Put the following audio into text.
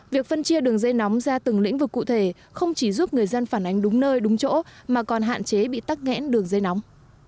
việc phân chia đường dây nóng ra từng lĩnh vực cụ thể không chỉ giúp người dân phản ánh đúng nơi đúng chỗ mà còn hạn chế bị tắc nghẽn đường dây nóng